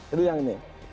itu yang ini